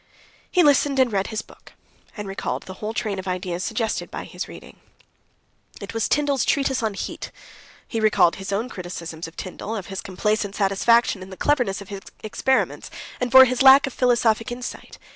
He listened, and read his book, and recalled the whole train of ideas suggested by his reading. It was Tyndall's Treatise on Heat. He recalled his own criticisms of Tyndall of his complacent satisfaction in the cleverness of his experiments, and for his lack of philosophic insight.